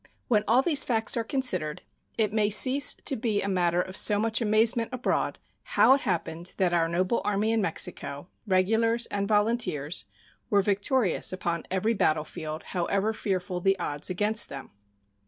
When all these facts are considered, it may cease to be a matter of so much amazement abroad how it happened that our noble Army in Mexico, regulars and volunteers, were victorious upon every battlefield, however fearful the odds against them.